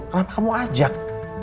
kenapa kamu ajak